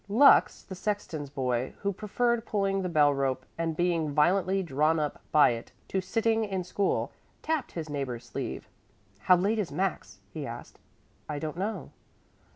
Lux, the sexton's boy, who preferred pulling the bell rope and being violently drawn up by it to sitting in school, tapped his neighbor's sleeve. "How late is it, Max?" he asked. "I don't know."